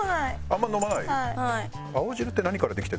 あんまり飲まない？